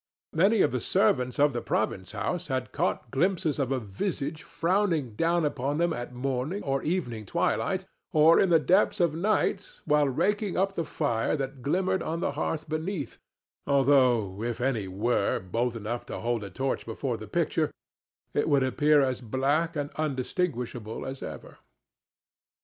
Many of the servants of the province house had caught glimpses of a visage frowning down upon them at morning or evening twilight, or in the depths of night while raking up the fire that glimmered on the hearth beneath, although, if any were, bold enough to hold a torch before the picture, it would appear as black and undistinguishable as ever.